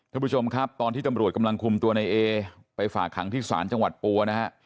ทุกผู้ชมครับตอนที่ตำรวจกำลังคลุมตัวในแอไปฝากหางที่สารจังหวัดปั๊ว